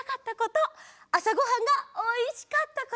あさごはんがおいしかったこと。